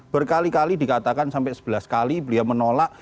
berkali kali dikatakan sampai sebelas kali beliau menolak